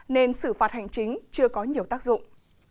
nên xử phạt hành chính chưa có nhiều tác dụng